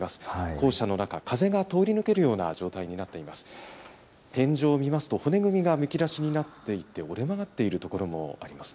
校舎の中、風が通り抜けるような状態になっています。